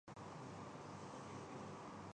اور پھر میرے جسم کے ٹکڑے ٹکڑے کر دیے جاتے ہیں